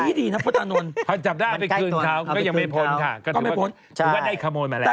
นี่ดีนะพ่อตานนท์พอจับได้เอาไปคืนเขาก็ยังไม่พ้นค่ะก็ไม่พ้นถือว่าได้ขโมยมาแล้ว